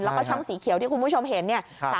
แล้วก็ช่องสีเขียวที่คุณผู้ชมเห็นเนี่ย